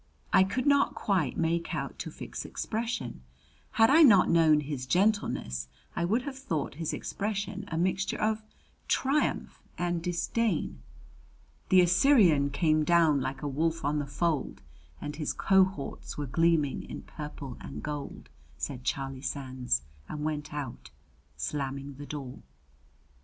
I could not quite make out Tufik's expression; had I not known his gentleness I would have thought his expression a mixture of triumph and disdain. "'The Assyrian came down like a wolf on the fold, and his cohorts were gleaming in purple and gold!'" said Charlie Sands, and went out, slamming the door.